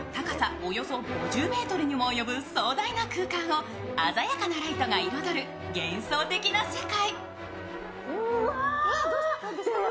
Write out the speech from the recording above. およそ５０ｍにも及ぶ壮大な空間を鮮やかなライトが彩る幻想的な世界。